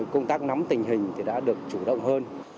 công tác nắm tình hình thì đã được chủ động hơn